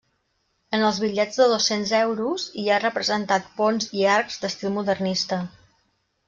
En els bitllets de dos-cents euros hi ha representat ponts i arcs d'estil modernista.